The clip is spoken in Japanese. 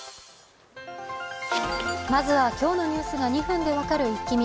まずは、今日のニュースが２分で分かるイッキ見。